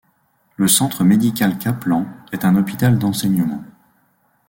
Le centre médical Kaplan est un hôpital d'enseignement.